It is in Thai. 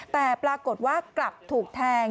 แต่ปรากฏว่ากลับถูกแทง